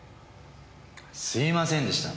すいませんでした。